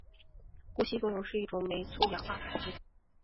呼吸作用是一种酶促氧化反应。